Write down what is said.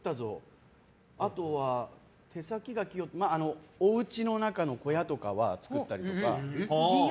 あとはおうちの中の小屋とかは造ったりとか。